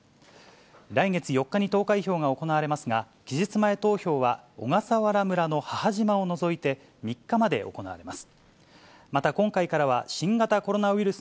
来月４日に投開票が行われますが、期日前投票は小笠原村の母島を除いて３日まで行われます。